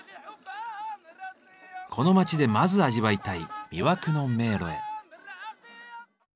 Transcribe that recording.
この町でまず味わいたい「魅惑の迷路」へ。